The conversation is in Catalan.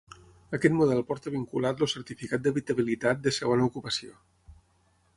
Aquest model porta vinculat el certificat d'habitabilitat de segona ocupació.